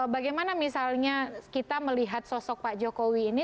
bagaimana misalnya kita melihat sosok pak jokowi ini